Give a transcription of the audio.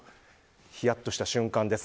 ひやっとした瞬間です。